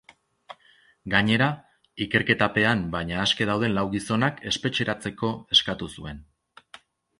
Gainera, ikerketapean baina aske dauden lau gizonak espetxeratzeko eskatu zuen.